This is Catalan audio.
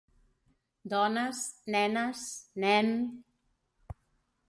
Dones, nenes, nen...